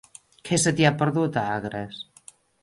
Què se t'hi ha perdut, a Agres?